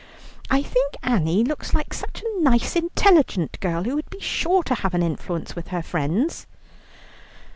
I think Annie looks such a nice intelligent girl, who would be sure to have an influence with her friends."